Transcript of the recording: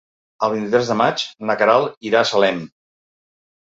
El vint-i-tres de maig na Queralt irà a Salem.